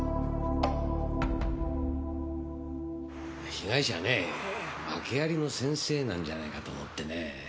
被害者ねワケありの先生なんじゃないかと思ってね。